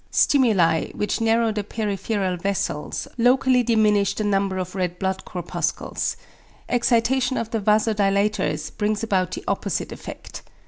Stimuli, which narrow the peripheral vessels, locally diminish the number of red blood corpuscles; excitation of the vasodilators brings about the opposite effect.